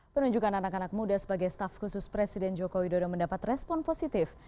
menunjukkan anak anak muda sebagai staff khusus presiden jokowi sudah mendapat respon positif